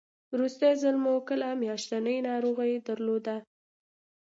وروستی ځل مو کله میاشتنۍ ناروغي درلوده؟